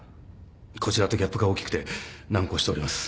こちらとギャップが大きくて難航しております。